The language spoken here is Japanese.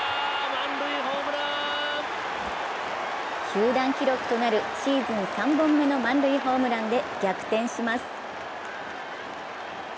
球団記録となるシーズン３本目の満塁ホームランで逆転します。